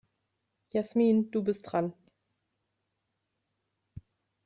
Jasmin, du bist dran.